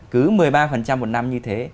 cứ một mươi ba một năm như thế